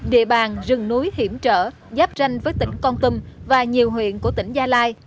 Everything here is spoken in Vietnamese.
địa bàn rừng núi hiểm trở giáp ranh với tỉnh con tâm và nhiều huyện của tỉnh gia lai